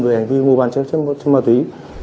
về hành vi mua bán trái phép chất ma túy